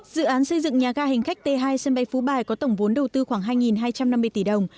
dự án xây dựng nhà ga hành khách t hai sân bay phú bài có tổng vốn đầu tư khoảng hai hai trăm năm mươi tỷ đồng